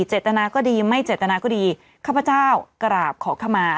เจตนาก็ดีไม่เจตนาก็ดีข้าพเจ้ากราบขอขมา